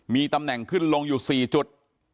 มีตำแหน่งขึ้นลงอยู่๔จุด